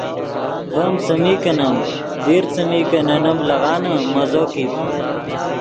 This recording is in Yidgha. ڤیم څیمی کینیم دیر څیمی نے نیم لیغان مزو کیت